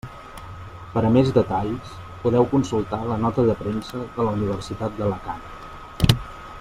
Per a més detalls, podeu consultar la Nota de Premsa de la Universitat d'Alacant.